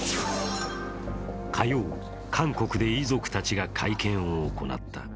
火曜、韓国で遺族たちが会見を行った。